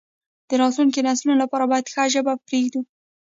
د راتلونکو نسلونو لپاره باید ښه ژبه پریږدو.